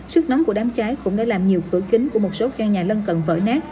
sức nóng của đám cháy cũng đã làm nhiều cửa kính của một số căn nhà lân cận vỡ nát